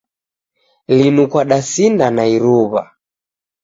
Linu kwadasinda na iruwa